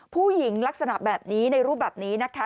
ผู้หญิงลักษณะแบบนี้ในรูปแบบนี้นะคะ